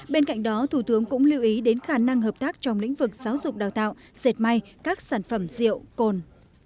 bên cạnh đó thủ tướng cũng lưu ý đến khả năng hợp tác trong lĩnh vực giáo dục đào tạo dệt may các sản phẩm rượu cồn